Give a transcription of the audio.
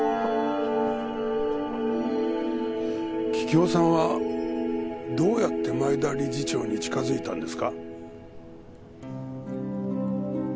桔梗さんはどうやって前田理事長に近付いたんですか？